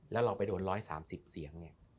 แล้วเราไปโดน๑๓๐เสียงเนี่ย